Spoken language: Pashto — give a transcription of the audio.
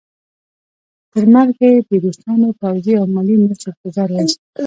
تر مرګه یې د روسانو پوځي او مالي مرستې انتظار وایست.